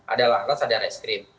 adalah rasa dan es krim